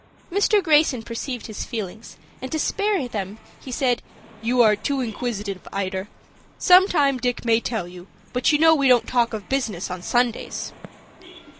Mr. Greyson perceived his feelings, and to spare them, said, "You are too inquisitive, Ida. Sometime Dick may tell you, but you know we don't talk of business on Sundays."